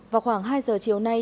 vào khoảng hai giờ chiều nay